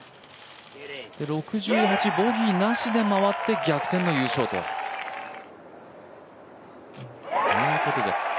６８、ボギーなしで回って逆転の優勝ということで。